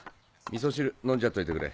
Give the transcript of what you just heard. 味噌汁飲んじゃっといてくれ。